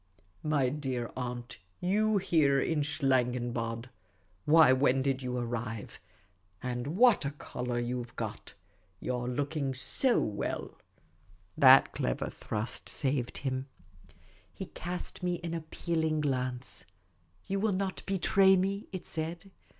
" My dear aunt, jyou here in Schlangenbad ! Why, when did you arrive ? And what a colour you 've got ! You 're looking so well !" That clever thrust saved him. He cast me an appealing glance. " You will not betray me?" it said.